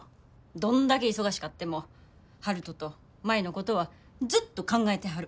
どんだけ忙しかっても悠人と舞のことはずっと考えてはる。